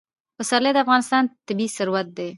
پسرلی د افغانستان طبعي ثروت دی.